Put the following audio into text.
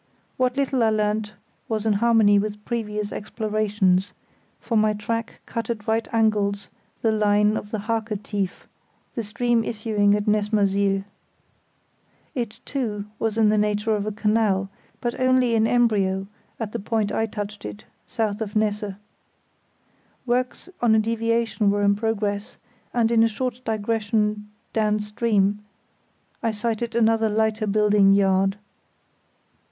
What little I learnt was in harmony with previous explorations, for my track cut at right angles the line of the Harke Tief, the stream issuing at Nessmersiel. It, too, was in the nature of a canal, but only in embryo at the point I touched it, south of Nesse. Works on a deviation were in progress, and in a short digression down stream I sighted another lighter building yard.